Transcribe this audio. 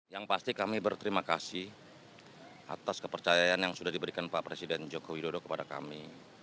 yang pasti kami berterima kasih atas kepercayaan yang sudah diberikan pak presiden joko widodo kepada kami